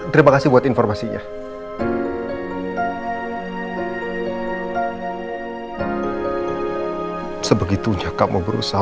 terima kasih buat informasinya